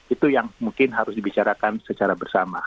itu yang mungkin harus dibicarakan secara bersama